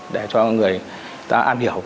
để cho người ta am hiểu